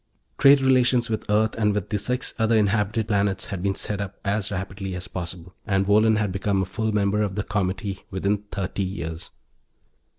Trade relations with Earth and with the six other inhabited planets had been set up as rapidly as possible, and Wohlen had become a full member of the Comity within thirty years.